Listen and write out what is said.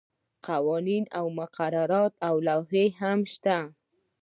قوانین او مقررات او لوایح هم شته.